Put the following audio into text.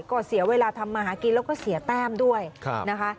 ก็เสียเวลาทำมาหากินแล้วก็เสียแต้มด้วยนะคะ